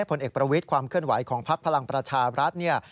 พลเอกประวิดความเคลื่อนไหวของภาคพลังประชาชน์รัฐนี้